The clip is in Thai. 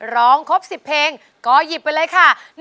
ร้องครบ๑๐เพลงก็หยิบไปเลยค่ะ